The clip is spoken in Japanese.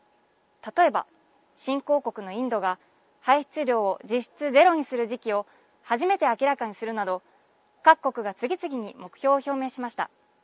例えば、新興国のインドが排出量を実質ゼロにする時期を初めて明らかにするなど各国が次々に目標を表明しました。